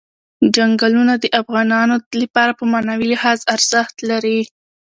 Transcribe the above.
چنګلونه د افغانانو لپاره په معنوي لحاظ ارزښت لري.